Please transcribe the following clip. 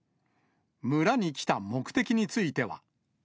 村に来た目的については。